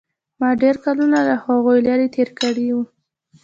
ما ډېر کلونه له هغوى لرې تېر کړي وو.